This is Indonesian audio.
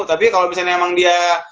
tapi kalau misalnya memang dia